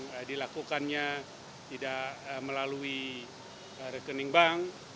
yang dilakukannya tidak melalui rekening bank